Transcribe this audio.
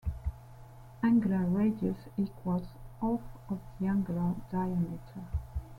Angular radius equals half the angular diameter.